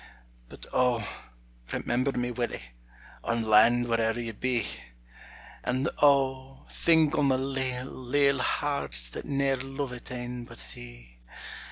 But O, remember me, Willie, On land where'er ye be; And O, think on the leal, leal heart, That ne'er luvit ane but thee!